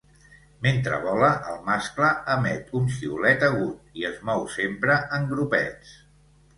Mentre vola, el mascle emet un xiulet agut i es mou sempre en grupets.